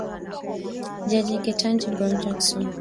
jaji Ketanji Brown Jackson